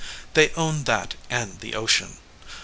They owned that and the ocean.